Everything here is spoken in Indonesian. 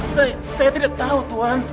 saya tidak tahu tuhan